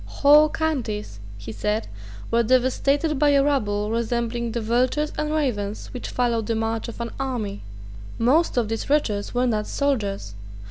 Whole counties, he said, were devastated by a rabble resembling the vultures and ravens which follow the march of an army. Most of these wretches were not soldiers.